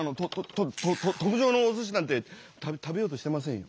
と特上のおすしなんて食べようとしてませんよ。